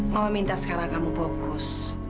mama minta sekarang kamu fokus